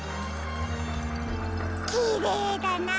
きれいだな。